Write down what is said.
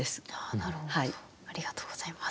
なるほどありがとうございます。